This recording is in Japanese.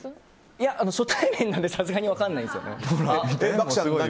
初対面なのでさすがに分からないです。